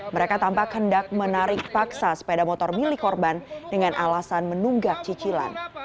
mereka tampak hendak menarik paksa sepeda motor milik korban dengan alasan menunggak cicilan